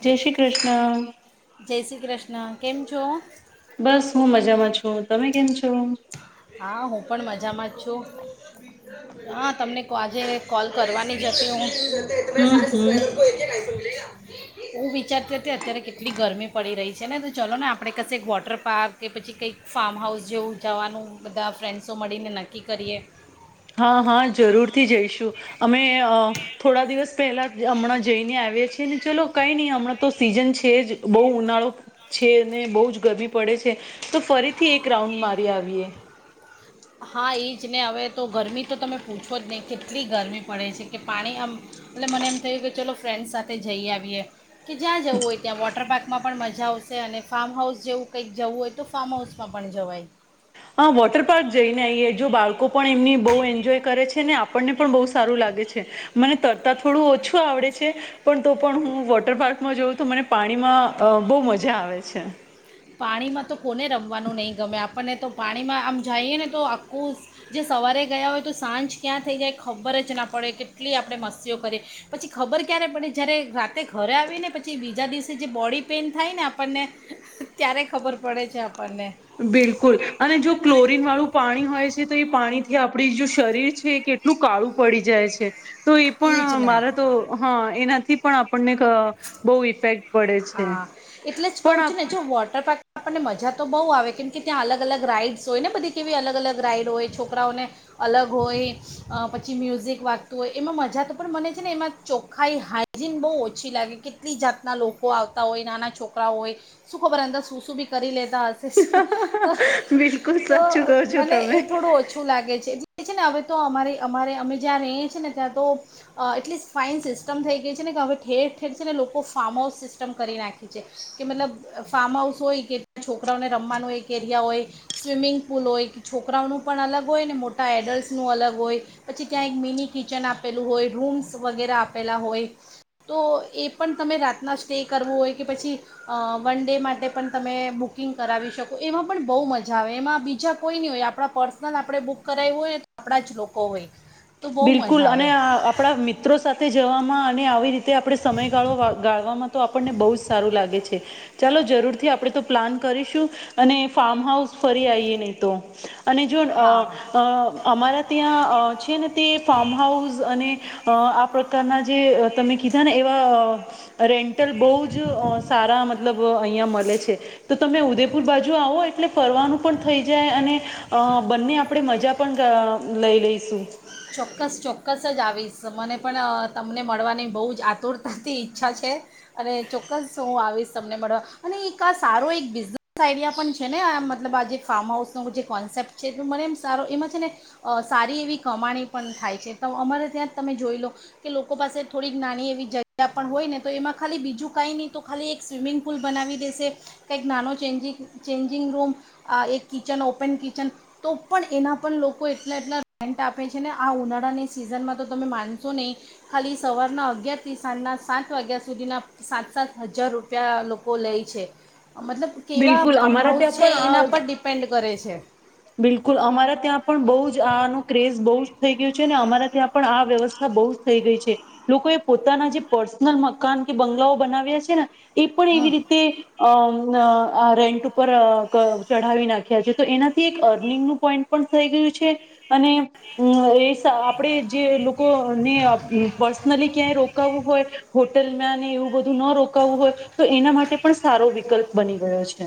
જય શ્રી કૃષ્ણ. જય શ્રી કૃષ્ણ. કેમ છો? બસ હું મજામાં છું. તમે કેમ છો? હા હું પણ મજામાં જ છું હા તમને આજે કોલ કરવાની જ અતી હું. ત [unintelligible] હમ હમ સબસ્ક્રાઈબર [unintelligible] મિલેગા એું વિચારતી હતી અત્યારે કેટલી ગરમી પડી રહી છે ને તો ચલો ને આપણે કશે વોટર પાર્ક કે પછી કંઈક ફાર્મ હાઉસ જેવું જવાનું બધા ફ્રેન્ડ્સો મળીને નક્કી કરીએ. હા હા જરૂર થી જઈશું અમે થોડા દિવસ પહેલા હમણાં જઈને આવ્યા છેએ ને ચલો કઈ નહી હમણાં તો સીઝન છે જ બહુ ઉનાળો છે બહુ જ ગરમી પડે છે તો ફરીથી એક રાઉન્ડ મારી આવીએ હા એ જ ને હવે તો ગરમી તો તમે પૂછો જ નહીં કેટલી ગરમી પડે છે કે પાણી આમ એટલે મને એમ થયું કે ચલો ફ્રેન્ડસ સાથે જઈ આવીએ કે જ્યાં જવું હોય ત્યાં વોટર પક માં પણ મજા આવશે અને ફાર્મ હાઉસ જેવું કંઈક જવું હોય તો ફાર્મ હાઉસમાં પણ જવાય હા વોટર પાર્ક જઈને આઈએ જો બાળકો પણ એમની બહુ એન્જોય કરે છે ને આપણને પણ બહુ સારું લાગે છે મને તરતા થોડું ઓછું આવડે છે પણ તો પણ હું વોટર પાર્કમાં જોઉં તો મને પાણીમાં બહુ મજા આવે છે પાણીમાં તો કોને રમવાનું નહીં ગમે આપણને તો પાણીમાં આમ જઈએ ને તો આખું જે સવારે ગયા હોય તો સાંજ ક્યાં થઈ જાય ખબર જ ના પડે કેટલી આપણે મસીઓ કરીએ પછી ખબર ક્યારે પડે જ્યારે રાતે ઘરે આવી ને પછી બીજા દિવસે જે બોડી પેઇન થાય ને આપણને ક્યારે ખબર પડે છે આપણને બિલકુલ અને જો ક્લોરીન વાળું પાણી હોય છે તો એ પાણીથી આપડી જો શરીર છે એ કેટલું કાળું પડી જાય છે તો એ જ પણ ને મારે તો હા એનાથી પણ આપણને બહુ ઇફેક્ટ પડે છે હા એટલે જ કહું પણ છ ને જો આપ વોટર પાર્ક આપણને મજા તો બહુ આવે કેમ કે ત્યાં અલગ અલગ રાઈડ્સ હોય ને બધી કેવી અલગ અલગ રાઈડ હોય છોકરાઓને અલગ હોય પછી મ્યુઝિક વાગતું હોય એમાં મજા તો પણ મને છે ને એમાં ચોખ્ખાાઈ હાઈજીન બહુ ઓછી લાગે કેટલી જાતના લોકો આવતા હોય નાના છોકરાઓ હોય શું ખબર અંદર શું શું બી કરી લે બિલકુલ તો સાચું કહો છો મને તમે એ થોડું ઓછું લાગે છે ને હવે તો અ અમારે અમે જ્યાં રહીએ છીએ ને ત્યાં તો એટલી ફાાઈન સિસ્ટમ થઈ ગઈ છે ને કે હવે ઠેર ઠેર છે ને લોકો ફાર્મ હાઉસ સિ સમ કરી નાખી છે કે મતલબ ફાર્મ હાઉસ હોય કે ત્યાં છોકરાઓને રમવાનું એક એરિયા હોય સ્વિમિંગ પુલ હોય કે છોકરાઓનું પણ અલગ હોય ને મોટા એડલ્ટસનું અલગ હોય પછી ત્યાં એક મિની કિચન આપેલું હોય રૂમ્સ વગેરે આપેલા હોય તો એ પણ તમે રાતના સ્ટે કરવું હોય કે પછી વન ડે માટે પણ તમે બુકિંગ કરાવી શકો એમાં પણ બહુ મજા આવે એમાં બીજા કોઈ નહીં હોય આપણા પર્સનલ આપણે બુક કરાવું હોય ને તો આપણા જ લોકો હોય તો બહુ બિલકુલ મજા અને આવે આપણા મિત્રો સાથે જવામાં અને આવી રીતે આપે ગાળવામાં તો આપને બ જ સારું લાગે છે ચાલો જરૂરથી આપણે તો પ્લાન કરીશું અને ફાર્મ હાઉસ ફરી આવીએ નહી તો અને જો હા અમારા ત્યાં છે ને ફાર્મ હાઉસ અને આ પ્રકારના જે તમે કીધા ને એવા રેન્ટલ બહુ જ સારા મતલબ અહીિયાયા મળે છે તો તમે ઉદેપ પુર બાજુ આવો એટલે ફરવાનું પણ થઈ જાય અને અ બંને આપણે મજા પણ લઈ લઈશું ચોક્કસ ચોક્કસ જ આવીશ મને પણ તમને મળવાની બહુ જ આતુરતાથી ઈચ્છા છે અને ચોક્કસ હું આવીશ તમને મળવા અને એક આ સારો એક બિઝનેસ આઈડિયા પણ છે ને આ મતલબ આ જે ફાર્મ હાઉસનો જે કોન્સેપ્ટ છે એ મને એમ સારો એમાં છે ને સારી એવી કમાણી પણ થાય છે તો અમારે ત્યાં જ તમે જોઈ લો કે લોકો પાસે થોડીક નાની એવી જગ્યા પણ હોય ને તો એમાં ખાલી બીજું કાંઈ નહીં તો ખાલી એક સ્વિમિંગ પુલ બનાવી દેશે કાંઈક નાનો ચેન્જિ ચેન્જિંગ રૂમ એક કિચન ઓપન કિચન તો પણ એના પણ લોકો એટલા એટલા પેન્ટ આપે છે ને આ ઉનાળાની સિઝનમાં તો તમે માનશો નહીં ખાલી સવારના અગિયારથી સાંજના સાત વાગ્યા સુધીના સાત સાત હજાર રૂપિયા લોકો લે છે મતલબ કેવા બિલકુલ ફાર્મ અમારા હાઉસ ત્યાં છે પણ એના પર આ ડિપેન્ડ કરે છે છેઠ બિલકુલ અમારા ત્યાં પણ બહ જ આનું ક્રેઝ બહુ જ થઈ ગયું છે ને અમારા ત્યાં પણ આ વ્યવસ્થા બહુ જ થઈ ગઈ છે લોકોએ પોતાના જે પર્સનલ મકાન કે બંગલાઓ બનાવ્યા છે ને એ પણ હમ એવી રીતે અ આ રેન્ટ ઉપર ચઢાવી નાખ્યા છે તો એના િંગ પોઈન્ટ થ ગયું છે અને આપણે જે લોકોને પર્સનલી ક્યાંય રોકું હોય હોટેલ મે એવું બધું ન રોકાવવું હોય તો એના માટે પણ સારો વિકલ્પ બની ગયો છે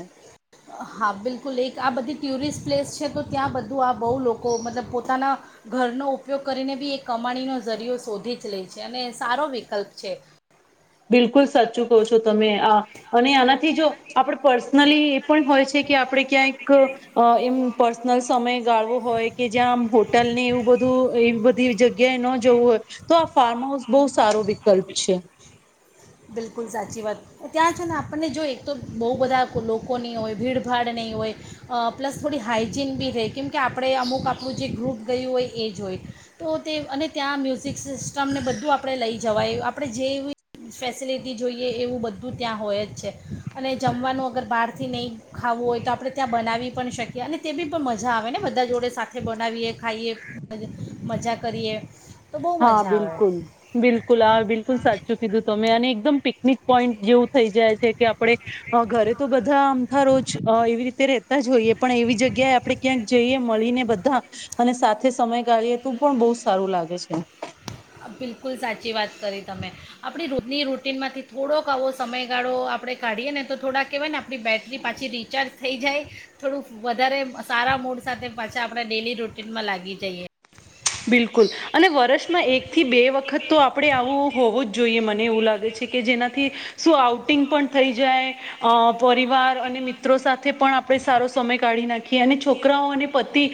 હા બિલકુલ એક આ બધી ટ્યુિસ્ટ પ્લેસ છે તો ત્યાં બધા બધું આ બહુ લોકો મતલબ પોતાના ઘરનો ઉપયોગ કરીને બી એ કમાણીનો જરીિયો શોધી જ લે છે અને સારો વિકલ્પ છે બિલકુલ સાચું કહો છો તમે આ અને આનાથી જો આપણે પર્સનલી એ પણ હોય છે કે આપણે ક્યાંક એમ પર્સનલ સમય ગાળવો હોય કે જ્યાં આમ હોટલ ને એવું બધું એવી બધી જગ્યાએ ન જવું હોય તો આ ફાર્મ હાઉસ બહુ સારો વિકલ્પ છે બિલકુલ સાચી વાત ત્યાં છે ને આપણને જો એક તો બહુ બધા લોકો નહીં હોય ભીડભાડ નહીં હોય પ્લસ થોડી હાઈજીન બી રહે કેમ કે આપણે અમુક આપણું જે ગ્રુપ ગયું હોય એ જ હોય તો તે અને ત્યાં મ્યુઝિક સિસ્ટમને બધું આપણે લઈ જવાય આપણે જે ફેસિલિટી જોઈએ એવું બધું ત્યાં હોય જ છે અને જમવાનું અગર બહારથી નહીં ખાવું હોય તો આપણે ત્યાં બનાવી પણ શકીએ અને તે બી પણ મજા આવે ને બધા જોડે સાથે બનાવીએ ખાઈએ મજા કરીએ તો બહુ હા મજા આવે બિલકુલ બિલકુલ હા બિલકુલ સાચું કીધું તમે અને એકદમ પિકનિક પોઈન્ટ જેવું થઈ જાય છે કે આપડણે ઘરે તો બધા આમથા રોજ એવી રીતે રેતા જ હોઈએ પણ એવી જગ્યાએ આપડે ક્યાંક જઈએ મળીને બધા અને સાથે સમય ગાળીએ તો પણ બહ સારું લાગે છે હ બિલકુલ સાચી વાત કરી તમે આપણી રૂની રૂટિનમાંથી થોડોક આવો સમયગાળો આપણે કાઢીએ ને તો થોડાક કહેવાય ને આપણી બેૅટરી પાછી રિચાર્જ થઈ જાય થોડુંક વધારે સારા મૂડ સાથે પાછા આપણા ડેલી રૂટિનમાં લાગી જઈએ બિલકુલ અને વર્ષમાં એક થી બે વખત વખત તો આપણે આવું હોવું જ જોઈએ મને એવું લાગે છે કે જેનાથી શું આઉટંગ પણ થઈ જાય પરિવાર અને મિત્રો સાથે પણ આપણે સારો સમય કાઢી નાખીએ અને છોકરાઓ અને પતિ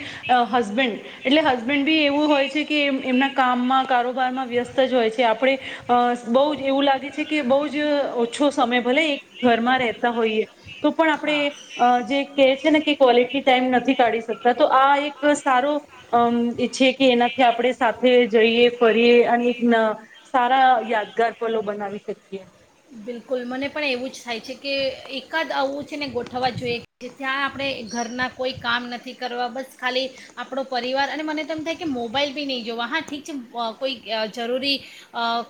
હસબેન્ડ એટલે હસબન્ડ બી એવું હોય છે કે એમના કામમાં કારોબારમાં વ્યસ્ત જ હોય છે આપણે અ બહ જ એવું લાગે છે કે બહ જ ઓછો સમય ભલે એક ઘરમાં રહેતા હોઈએ તો પણ હા આપણે જે કહે છે ને કે ક્વોલિટી ટાઈમ નથી તડી શકતા તો આ એક સારો અમ છે કે એનાથી આપણે સાથે જઈએ ફરીએ અને એક સારા યાદગાર પલો બનાવી શકીએ બિલકુલ મને પણ એવું જ થાય છે કે એકાદ આવું છે ને ગોઠવવા જોઈએ ત્યાં આપણે ઘરના કોઈ કામ નથી કરવા બસ ખાલી આપણો પરિવાર અને મને તો થાય કે મોબાઈલ બી નહીં જોવા હા ઠીક છે કોઈ જરૂરી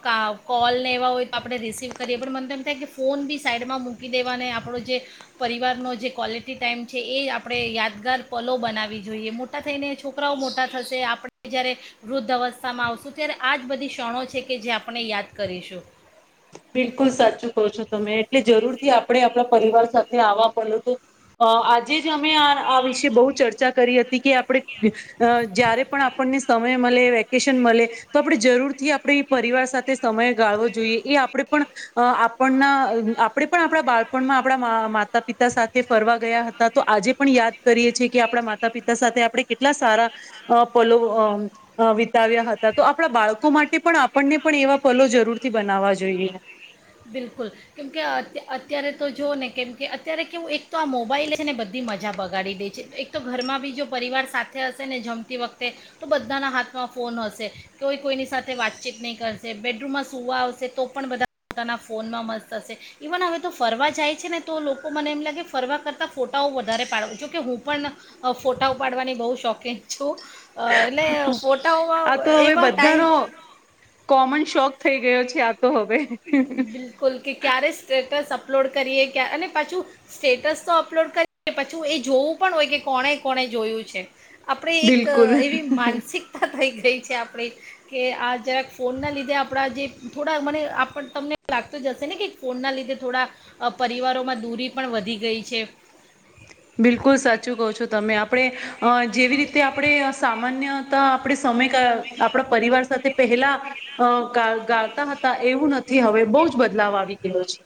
કા કોલ લ એવા હોય તો આપણે રિસીિવ કરીએ પણ મને તો એમ થાય કે ફોન બી સાઈડમાં મૂકી દેવાને આપણો જે પરિવારનો જે ક્વૉલિટી ટાઈઇમ છે એ આપણે યાદગાર પલો બનાવી જોઈએ મોટા થઈને છોકરાઓ મોટા થશે આપણે જ્યારે વૃદ્ધ અવસ્થામાં આવશું ત્યારે આ જ બધી ક્ષણો છે કે જે આપણે યાદ કરીશું બિલકુલ સાચું કહો છો તમે એટલે જરૂર આપણે આપણા પરિવાર સાથે આવવા પ તો આજે જ અમે આ આ વિષ બહુ ચર્ચા કરી હતી કે આપણે જયારે પણ આપણને સમય મળે વેકેશન મળે તો આપણે જરૂર થી આપણે પરિવાર સાથે સમય ગાળવો જોઈએ એ આપણે પણ આપણના આપણે પણ આપણા બાળપણમાં આપણા માતા પિતા સાથે ફરવા ગયા હતા તો આજે પણ યાદ કરીએ છીએ કે આપણા માતા પિતા સાથે આપણે કેટલા સારા પલો વિતાવ્યા હતા તો આપણા બાળકો માટે પણ આપણને પણ એવા પલો જરૂરથી બનાવવા જોઈએ હ બિલકુલ કેમકે અત્યારે તો જોઓ ને કેમ કે અત્યારે કેવું એક તો આ મોબાઈલ છે ને બધી મજા બગાડી દે છે એક તો ઘરમાં બી જો પરિવાર સાથે હશે ને જમતી વખતે તો બધાના હાથમાં ફોન હશે કોઈ કોઈની સાથે વાતચીત નહીં કરશે બેડરૂમમાં સુવા આવશે તો પણ બધા પોતાના ફોનમાં મસ્ત થશે ઇવન હવે તો ફરવા જાય છે ને તો લોકો મને એમ લાગે ફરવા કરતાં ફોટાઓ વધારે પાડવ જોકે હું પણ ફોટાઓ પાડવાની બહુ શોખીન છું એટલે ફ આ તો હવે બધાનો કોમન શોક થઈ ગયો છે આ તો હવે બિલકુલ કે ક્યારે સ્ટેટસ આપ અપલોડ કરીએ કે અને પાછું સ્ટેટસ તો અપલોડ કરીએ પછું એ જોવું પણ હોય કે કોણે કોણે જોયું છે. આપણે એક બિલકુલ એવી માનસિકતા થઈ ગઈ થઈ છે આપણે કે આ જરાક ફોનના લીધે આપણા જે થોડા મને આપ પણ તમને લાગતું જશે ને કે ફોનના લીધે થોડા પરિવારોમાં દૂરી પણ વધી ગઈ છે બિલકુલ સાચું કહ છો તમે આપડણે જેવી રીતે તે આપણે સામાન્ય આપે સમય આપણા પરિવાર સાથે પહેલા ગળતા હતા એવું નથી થી હવે બહુ જ બદલાવ આવી એવો છે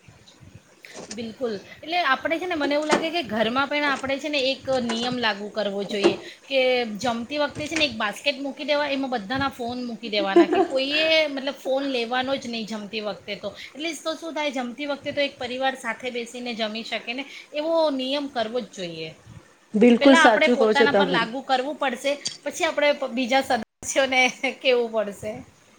બિલકુલ એટલે આપણે છે ને મને એવું લાગે કે ઘરમાં પણ આપણે છે ને એક નિયમ લાગુ કરવો જોઈએ કે જમ્પ તે વખતે છેને એક બાસ્કેટ મુકી કી દેવા એમાં બધાના ફોન મૂકી દેવાના કે કોઈએ મતલબ ફોન લેવાનો જ નઈ જમ તે વખતે તો એટલે શો શું થાય જમતી વખતે તો એક પરિવાર સાથે બેસીને જમી શકે ને એવો નિયમ કરવો જ જોઈએ. બિલકુલ પેલા આપડે સાચું કહો છો પોતાના પર તમે લાગુ કરવું પડશે, પછી આપડે બીજા સદસ્યોને કેવું પડશે.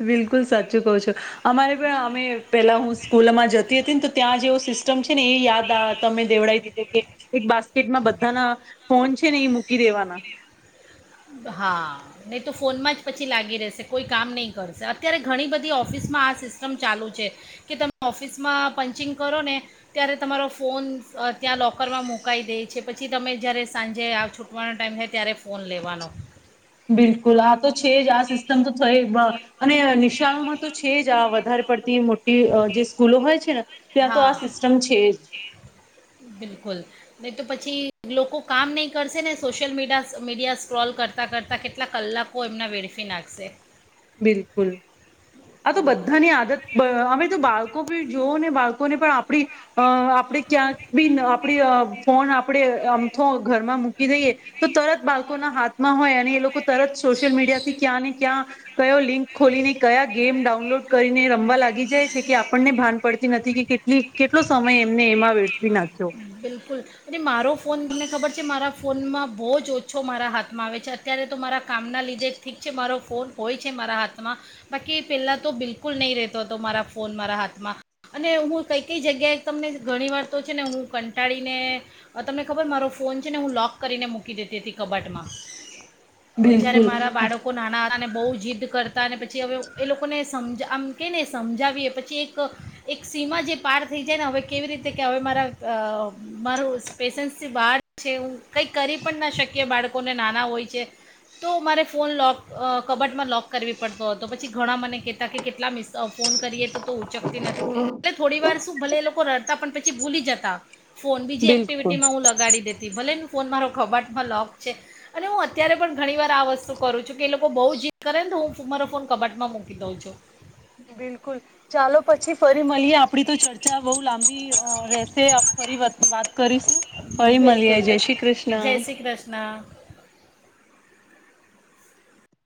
બિલકુલ સાચું કો છો, અમારે પણ અમે પેલા હું સ્કૂલમાં જતી તી ન તો ત્યાં જેવ સિસ્ટમ છે ને એ યાદ આ તમે દેવડાઈ દીધું કે એક બાસ્ કેટમાં બધાના ફોન છે ને એ મૂકી દેવાના. હા, નઈ તો ફોનમાં જ પછી લાગી રહેશે કોઈ કામ નહીં કરશે, અત્યારે ઘણી બધી ઓફિસમાં આ સિસ્ટમ ચાલુ છે કે તમે ઓફિસમાં પંચિંગ કરો ને ત્યારે તમારો ફોન ત્યાં લોકરમાં મુકાઈ દેય છે પછી તમે જ્યારે સાંજે આ છૂટવાનો ટાઈમ થાય ત્યારે ફોન લે બિલકુલ, આ તો છે જ આ સિ તમ તો થઈ બ અને નિશાળમાં તો છે જ આ વ ઘર પડ ની મોટી અ જે સ્કૂલો હોય છે ને ત્યાં તો હા આ સિસ્ટમ છે જ બિલકુલ નહીં તો પછી લોકો કામ નહીં કરશે ને સોશિયલ મીડિયા મીડિયા સ્ક્રોલ કરતાં કરતાં કેટલા કલાકો એમના વેડફી નાખશે બિલકુલ આ તો બધાની આદત અમે તો બાળ બાળકો જોઓ ને બાળકોને પણ આપ આપણે ક્યાંક બી આપડી ફોન આપણે આમથો ઘરમાં મૂકી દઈએ તો તરત બાળકોના હાથમાં હોય અને એ લોકો તરત સોશિયલ મીડિયા થી ક્યાં ને ક્યાં કયો લિંક ખોલીને કયા ગેમ ડાઉનલોડ કરીને રમવા લાગી જાય છે કે આપણને ભાન પડતી નથી કે કેટલી કેટલો સમય એમને એમાં વળ બિલકુલ અને મારો ફોન મમને ખબર છે મારા ફોનમાં બહુ જ ઓછો મારા હાથમાં આવે છે અત્યારે તો મારા કામના લીધે ઠીક છે મારો ફોન હોય છે મારા હાથમાં બાકી પહેલાં તો બિલકુલ નહીં રહેતો હતો મારા ફોન મારા હાથમાં અને હું કઈ કઈ જગ્યાએ તમને ઘણીવાર તો છે ને હું કંટાળીને તમને ખબર મારો ફોન છે ને હું લોૉક કરીને મૂકી દેતી હતી કબટમાં જયારે બિલકુલ મારા બાળકો નાના હતા ને બહ જ જીદ કરતા ને પછી હવે એ લોકોને સમજ આમ કે ને સમજાવીએ પછી એક એક સીમા જે પાર થઈ જાય ને હવે કેવી રીતે કે મારા મારું પેેશન્સથી બહાર છે હું કંઈક કરી પણ ના શકીએ બાળકોને નાના હોય છે તો મારે ફોન લોૉક કબટમાં લોૉક કરવી પડતો હતો પછી ઘણા મને કહેતા કે કેટલા મિસ ફોન કરીએ તો તો ઊંચક નથી એટલે થોડી વાર ભલે એ લોકો રડતા પણ પછી પ ભૂલી જતા ફોન બીજી બિલકુલ એક્ટિવિટીમાં હું લગાડી દેતી ભલે ફોન મારો કબાટમાં લોક છે અને હું અત્યારે પણ ઘણી વાર આ વસ્તુ કરું છું કે એ લોકો બહ જી કરે ને તો હું મારો ફોન કબાટમાં મૂકી દઉં છું બિલકુલ ચાલો પછી ફરી મળીએ આપણી તો ચર્ચા બહુ લાંબી રહેશે ફરી વાત કરીશ ફળી મળલિયા બિલકુલ જય શ્રી કૃષ્ણ જય શ્રી કૃષ્ણ